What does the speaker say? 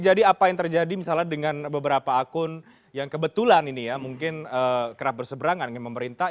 jadi apa yang terjadi misalnya dengan beberapa akun yang kebetulan ini ya mungkin kerap berseberangan dengan pemerintah